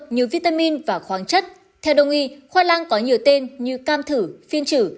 nhiều vitamin và khoáng chất theo đồng ý khoai lang có nhiều tên như cam thử phiên trữ